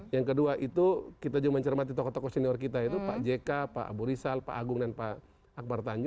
yang kedua itu kita juga mencermati tokoh tokoh senior kita itu pak jk pak abu rizal pak agung dan pak akbar tanju